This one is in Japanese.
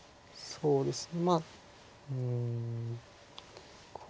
そうですね。